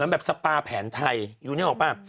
แบบสปาแผนไทยอยู่นี่เอาเปล่า